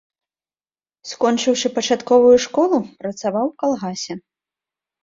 Скончыўшы пачатковую школу, працаваў у калгасе.